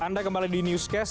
anda kembali di newscast